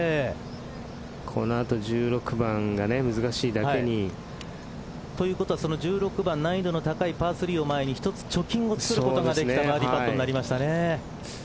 この後１６番が難しいだけに。ということは１６番難易度の高いパー３を前に１つ貯金を作ることができたバーディーパットになりましたね。